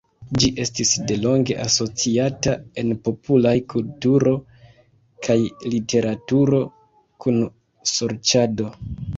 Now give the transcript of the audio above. Ĝi estis delonge asociata en popolaj kulturo kaj literaturo kun sorĉado.